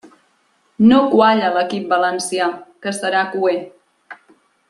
No qualla a l'equip valencià, que serà cuer.